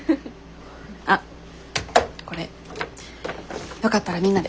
あっこれよかったらみんなで。